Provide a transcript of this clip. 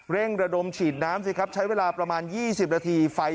ระดมฉีดน้ำสิครับใช้เวลาประมาณ๒๐นาทีไฟ